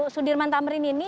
sudirman tamrin ini